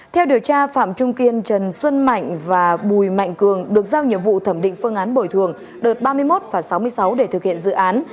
theo điều tra phạm trung kiên trần xuân mạnh và bùi mạnh cường được giao nhiệm vụ thẩm định phương án bồi thường đợt ba mươi một và sáu mươi sáu để thực hiện dự án